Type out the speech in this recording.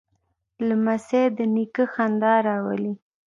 لمسی د نیکه خندا راولي.